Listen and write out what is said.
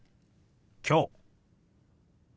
「きょう」。